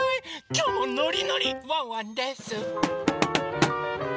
きょうもノリノリワンワンです！